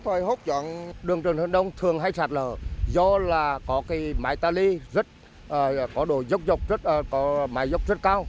thôi hút chọn đường trường hướng đông thường hay sạt lở do là có cái mái tà ly rất có đồ dốc dốc rất có mái dốc rất cao